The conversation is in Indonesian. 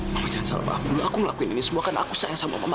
mama jangan salah maaf dulu aku ngelakuin ini semua karena aku sayang sama mama